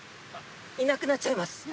いなくなっちゃいます。